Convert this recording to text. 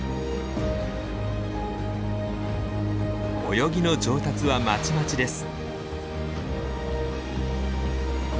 泳ぎの上達はまちまちです。